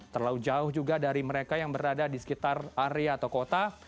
terlalu jauh juga dari mereka yang berada di sekitar area atau kota